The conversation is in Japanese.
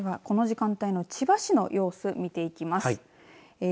では、この時間帯の千葉市の様子を見ていきます。